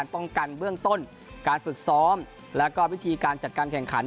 ป้องกันเบื้องต้นการฝึกซ้อมแล้วก็วิธีการจัดการแข่งขัน